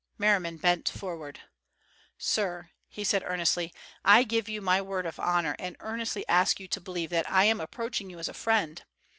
Merriman bent forward. "Sir," he said earnestly, "I give you my word of honor and earnestly ask you to believe that I am approaching you as a friend.